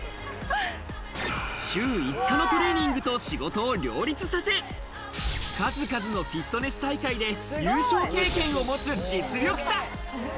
週５日のトレーニングと仕事を両立させ、数々のフィットネス大会で優勝経験を持つ実力者。